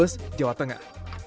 bes jawa tengah